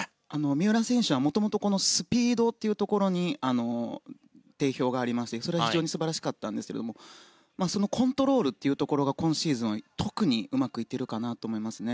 三浦選手はもともとスピードというところに定評がありまして、それが非常に素晴らしかったんですがそのコントロールというところが今シーズンは特にうまくいっているかなと思いますね。